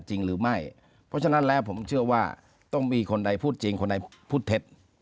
จริงหรือไม่เพราะฉะนั้นแล้วผมเชื่อว่าต้องมีคนใดพูดจริงคนใดพูดเท็จ